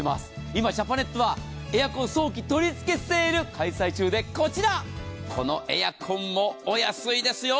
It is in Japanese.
今ジャパネットはエアコン早期取付セール開催中でこのエアコンもお安いですよ。